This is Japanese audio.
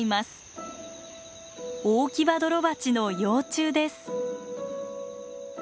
オオキバドロバチの幼虫です。